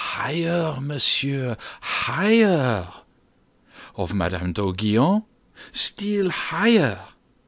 "Higher, monsieur, higher." "Of Madame d'Aiguillon?" "Still higher."